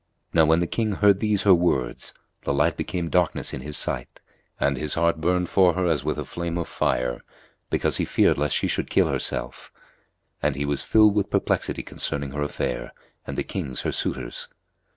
Now when the King heard these her words, the light became darkness in his sight and his heart burned for her as with a flame of fire, because he feared lest she should kill herself; and he was filled with perplexity concerning her affair and the kings her suitors.